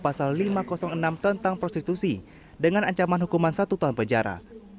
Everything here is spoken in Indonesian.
pasal lima ratus enam tentang prostitusi dengan ancaman hukuman satu tahun penjara